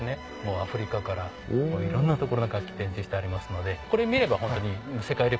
アフリカからいろんな所の楽器展示してありますのでこれ見ればホントに。